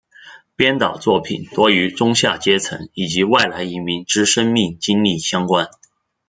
编导作品多与中下阶层及外来移民之生命经历相关。